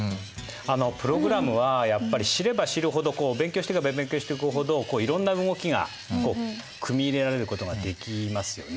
プログラムはやっぱり知れば知るほど勉強していけば勉強していくほどいろんな動きが組み入れられることができますよね。